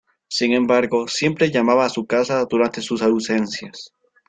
Sin embargo, siempre llamaba a su casa durante sus ausencias.